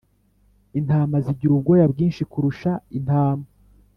Intama zigira ubwoya bwinshi kurusha intama